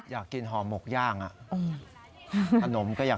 อยากกินห่อหมกย่างขนมก็อยาก